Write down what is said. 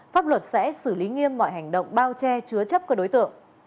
pháp luật sẽ xử lý nghiêm mọi hành động bao che chứa chấp các đối tượng